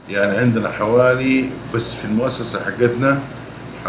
ya kita ada sekitar tujuh puluh muassasah di sekitar tujuh puluh jemaah